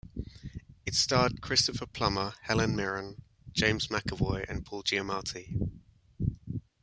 It starred Christopher Plummer, Helen Mirren, James McAvoy, and Paul Giamatti.